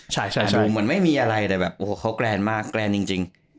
แต่ว่ามันไม่มีอะไรแต่แบบโอ้โหเขากล้านมากกล้านจริง